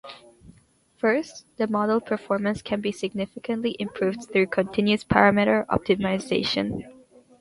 First, the model performance can be significantly improved through continuous parameter optimization.